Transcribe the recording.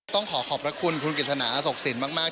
ต้องขอขอบรับคุณคุณกฤษณาสกฤษินตร์มาก